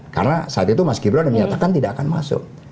karena saat itu mas gibran menyatakan tidak akan masuk